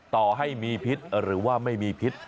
ต่อให้มีพิษหรือว่าไม่มีพิษ